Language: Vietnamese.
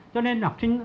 cho nên học sinh